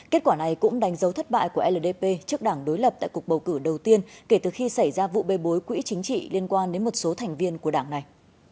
kết quả này cũng đánh dấu thất bại của ldp trước đảng đối lập tại cuộc bầu cử đầu tiên kể từ khi xảy ra vụ bê bối quỹ chính trị liên quan đến một số thành viên của đảng này